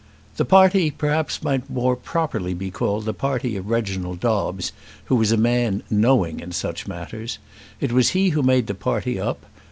The party perhaps might more properly be called the party of Reginald Dobbes, who was a man knowing in such matters. It was he who made the party up.